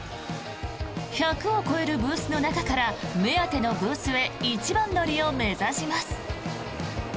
１００を超えるブースの中から目当てのブースへ一番乗りを目指します。